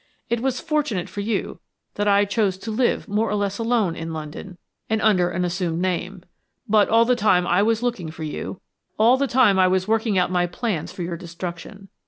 It was fortunate for you that I chose to live more or less alone in London and under an assumed name. But all the time I was looking for you, all the time I was working out my plans for your destruction.